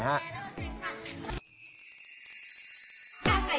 เอาไข่ปิ้งค่ะถึงว่าเท่าไรคะ